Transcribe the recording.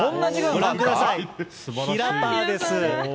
ご覧ください、ひらパーです。